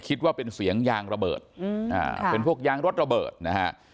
คิดว่าเป็นเสียงยางระเบิดเป็นพวกยางรถระเบิดนะฮะ